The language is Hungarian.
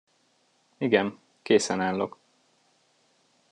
Igen, készen állok.